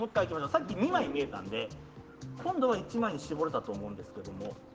さっき２枚見えたんで、今度は１枚に絞れたと思うんですけど。